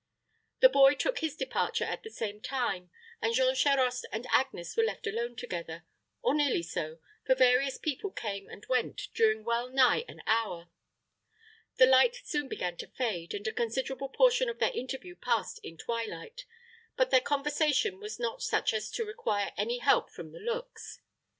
The boy took his departure at the same time; and Jean Charost and Agnes were left alone together, or nearly so for various people came and went during well nigh an hour. The light soon began to fade, and a considerable portion of their interview passed in twilight; but their conversation was not such as to require any help from the looks.